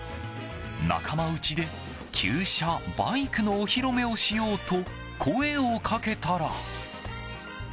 仲間内で旧車、バイクのお披露目をしようと声をかけたら。